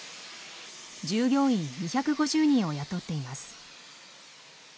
従業員２５０人を雇っています。